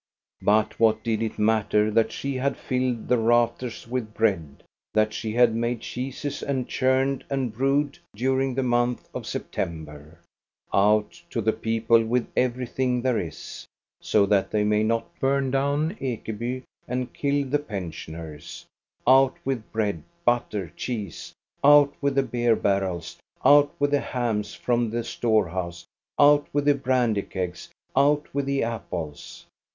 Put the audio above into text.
But what did it matter that she had filled the rafters with bread, that she had made cheeses and churned and brewed during the month of September? Out to the people with everything there is, so that they may not bum down Ekeby and kill the pensioners! Out with bread, butter, cheese! Out with the beer barrels, out with the hams from the storehouse, out with the brandy kegs, out with the apples